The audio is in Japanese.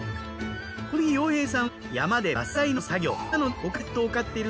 この日要平さんは山で伐採の作業。